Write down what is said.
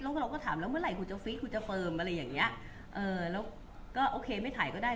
แล้วก็เราก็ถามแล้วเมื่อไหร่คุณจะฟิตคุณจะเฟิร์มอะไรอย่างเงี้ยเออแล้วก็โอเคไม่ถ่ายก็ได้